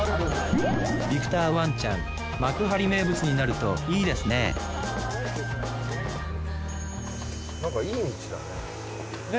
ビクターワンちゃん幕張名物になるといいですねなんかいい道だね。